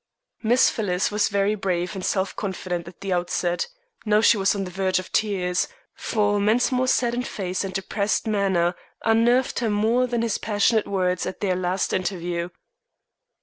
Miss Phyllis was very brave and self confident at the outset. Now she was on the verge of tears, for Mensmore's saddened face and depressed manner unnerved her more than his passionate words at their last interview.